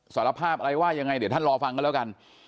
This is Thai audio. สารภาพอะไรว่ายังไงเดี๋ยวท่านรอฟังกันแล้วกัน